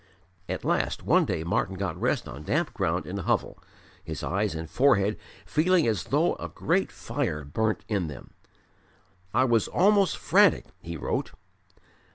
At last one day Martyn got rest on damp ground in a hovel, his eyes and forehead feeling as though a great fire burnt in them. "I was almost frantic," he wrote.